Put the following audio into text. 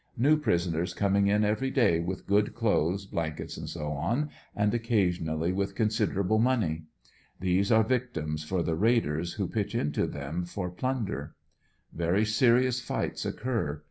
New prisoners coming in every day with good clothes, blankets, &c., and occasionally with considerable money. These are victims for the raiders who pitch into them for 56 ANBER80NVILLE Dl BY. plunder. Very serious fights occur.